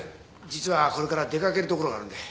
実はこれから出掛けるところがあるんで。